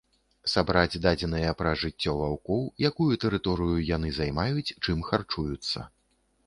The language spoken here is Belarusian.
Сабраць дадзеныя пра жыццё ваўкоў, якую тэрыторыю яны займаюць, чым харчуюцца.